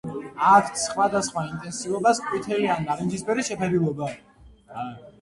აქვთ სხვადასხვა ინტენსივობის ყვითელი ან ნარინჯისფერი შეფერილობა.